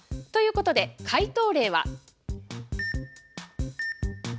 ということで、解答例は。